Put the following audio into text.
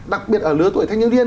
đặc biệt ở lứa tuổi thanh niên điên